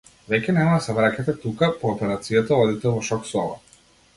Веќе нема да се враќате тука, по операцијата одите во шок соба.